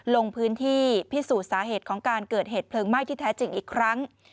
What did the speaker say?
ลงพื้นที่พิสูจน์สาเหตุของการเกิดเหตุเพลิงไหม้ที่แท้จริงอีกครั้ง